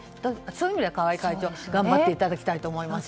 そういう意味では川合会長頑張っていただきたいと思います。